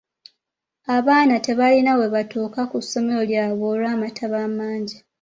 Abaaana tebalina bwe batuuka ku ssomero lyabwe olw'amataba amangi.